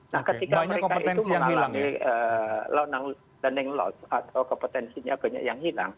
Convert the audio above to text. nah ketika mereka itu mengalami learning loss atau kompetensinya banyak yang hilang